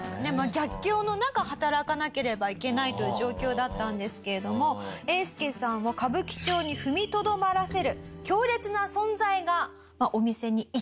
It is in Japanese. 逆境の中働かなければいけないという状況だったんですけれどもえーすけさんを歌舞伎町に踏みとどまらせる強烈な存在がお店にいたと。